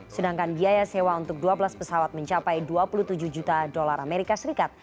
sedangkan biaya sewa untuk dua belas pesawat mencapai dua puluh tujuh juta dolar amerika serikat